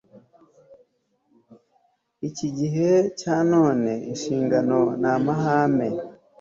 iki gihe cya none Inshingano namahame